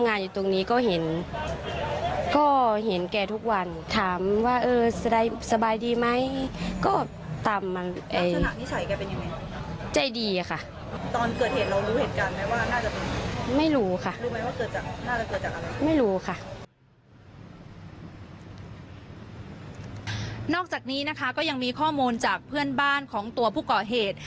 นอกจากนี้นะคะก็ยังมีข้อมูลจากเพื่อนบ้านของตัวผู้ก่อเหตุ